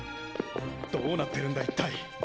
どうなってるんだ一体。